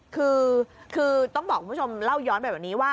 คือต้องบอกคุณผู้ชมเล่าย้อนไปแบบนี้ว่า